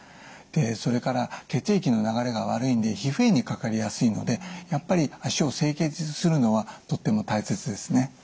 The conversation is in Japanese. それから血液の流れが悪いので皮膚炎にかかりやすいのでやっぱり脚を清潔にするのはとても大切ですね。